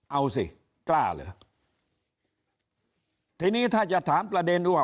เอาสิกล้าเหรอทีนี้ถ้าจะถามประเด็นว่า